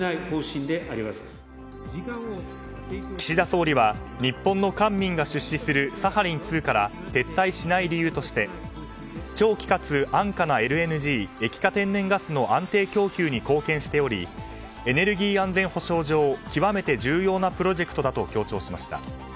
岸田総理は日本の官民が出資するサハリン２から撤退しない理由として長期かつ安価なＬＮＧ・液化天然ガスの安定供給に貢献しておりエネルギー安全保障上極めて重要なプロジェクトだと強調しました。